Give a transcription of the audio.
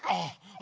あ。